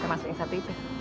saya maksud yang satu itu